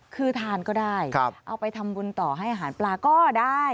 คือทานก็ได้เอาไปทำบุญต่อให้อาหารปลาก็ได้